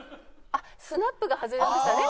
あっスナップが外れましたね。